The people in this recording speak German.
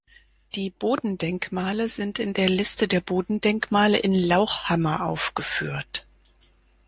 Die Bodendenkmale sind in der Liste der Bodendenkmale in Lauchhammer aufgeführt.